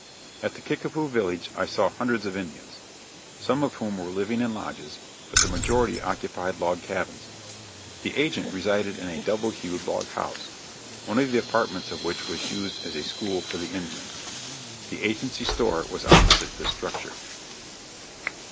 At the Kickapoo village I saw hundreds of Indians, some of whom were living in lodges, but the majority occupied log cabins. The agent resided in a double hewed log house, one of the apartments of which was used as a school for the Indians. The agency store was opposite this structure.